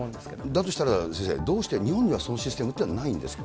だとしたら、先生、どうして日本にはそのシステムというのがないんですか？